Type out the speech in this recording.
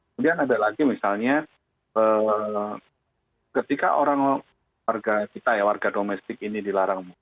kemudian ada lagi misalnya ketika orang warga kita ya warga domestik ini dilarang